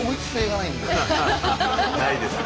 ないですね。